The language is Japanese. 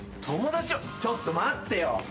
友達ちょっと待ってよ。